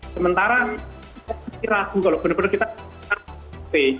sementara kita masih ragu kalau benar benar kita menggunakan ktp